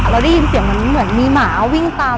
เราได้ยินเสียงเหมือนมีหมาวิ่งตาม